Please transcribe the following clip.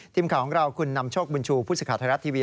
ทีมข่าวของเราคุณนำโชคบุญชูพุทธิภาษาไทยรัฐทีวี